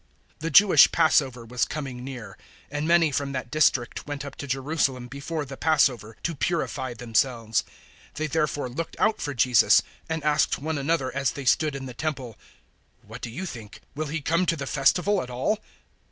011:055 The Jewish Passover was coming near, and many from that district went up to Jerusalem before the Passover, to purify themselves. 011:056 They therefore looked out for Jesus, and asked one another as they stood in the Temple, "What do you think? will he come to the Festival at all?"